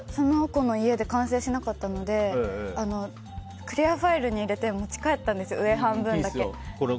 だから、その子の家で完成しなかったのでクリアファイルに入れて持ち帰ったんですよ、上半分だけ。